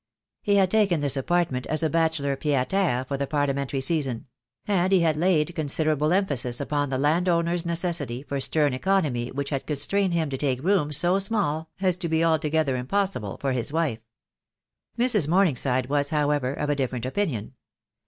He had taken this apartment as a bachelor pied a terre for the Parliamentary season; and he had laid considerable emphasis upon the landowner's necessity for stern economy which had constrained him to take rooms so small as to be altogether "impossible" for his wife. Mrs. Morning side was, however, of a different opinion.